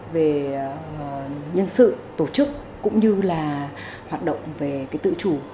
về nhân sự tổ chức cũng như là hoạt động về tự chủ